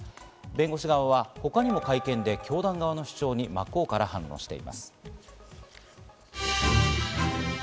弁護士側は他にも会見で教団側の主張に真っ向から反論しています。